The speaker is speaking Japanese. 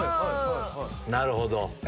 なるほど。